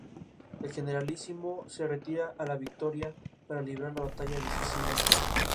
El Generalísimo se retira a La Victoria para librar la batalla decisiva.